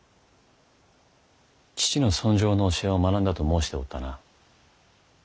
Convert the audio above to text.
父の尊攘の教えを学んだと申しておったな。